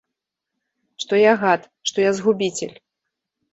Што я гад, што я згубіцель.